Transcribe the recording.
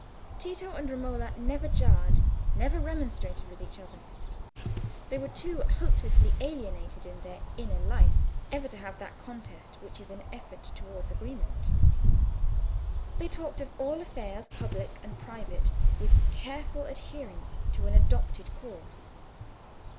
Tito and Romola never jarred, never remonstrated with each other. They were too hopelessly alienated in their inner life ever to have that contest which is an effort towards agreement. They talked of all affairs, public and private, with careful adherence to an adopted course.